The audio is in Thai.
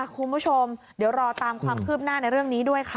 คุณผู้ชมเดี๋ยวรอตามความคืบหน้าในเรื่องนี้ด้วยค่ะ